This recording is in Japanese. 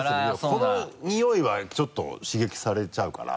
この匂いはちょっと刺激されちゃうから。